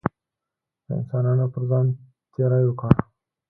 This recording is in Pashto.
د انسانانو پر ځان تېری وکړي.